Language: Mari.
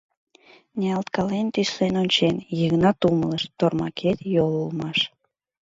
Ниялткален, тӱслен ончен, Йыгнат умылыш: тормакет йол улмаш.